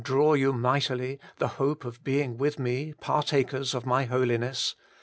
draw you mightily, the hope of being with me, partakers of my Holiness ?